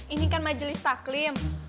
ini kan majelis taklim